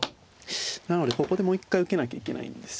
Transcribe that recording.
なのでここでもう一回受けなきゃいけないんですよね。